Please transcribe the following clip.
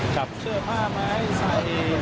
จับเสื้อผ้ามาให้ใส่